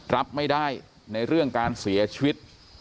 รับไม่ได้ในเรื่องการเสียชีวิต